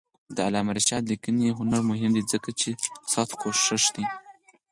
د علامه رشاد لیکنی هنر مهم دی ځکه چې سختکوش دی.